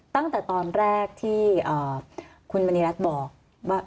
ตั้งแต่ตอนแรกที่คุณมณีรัฐบอกว่า